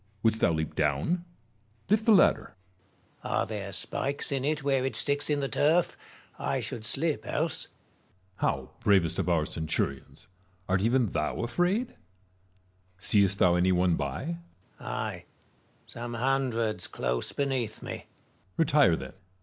Wouldst thou leap down ? Lift the ladder. Marius. Are there spikes in it where it sticks in the turf 1 I should slip else. Metellus. How ! bravest of our centurions, art even thou afraid 1 Seest thou any one by 1 Marius. Ay ; some hundreds close beneath me. Metellus. Retire, then.